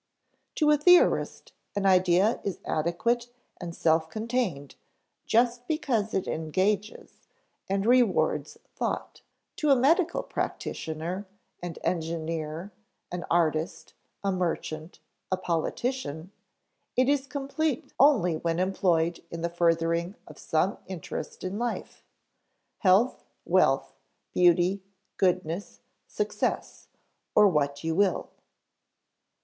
_ To a theorist an idea is adequate and self contained just because it engages and rewards thought; to a medical practitioner, an engineer, an artist, a merchant, a politician, it is complete only when employed in the furthering of some interest in life health, wealth, beauty, goodness, success, or what you will.